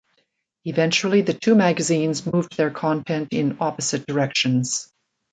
Eventually, the two magazines moved their content in opposite directions.